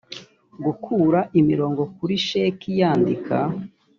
gukura imirongo kuri sheki yandika